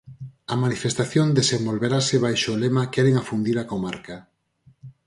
A manifestación desenvolverase baixo o lema Queren afundir a comarca.